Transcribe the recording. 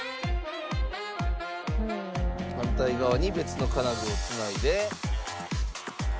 反対側に別の金具を繋いで。